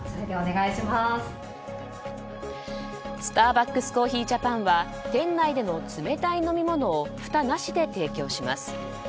スターバックスコーヒージャパンは店内での冷たい飲み物をふたなしで提供します。